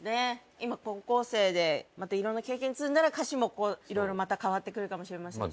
今高校生でまたいろんな経験積んだら歌詞もいろいろまた変わってくるかもしれませんしね。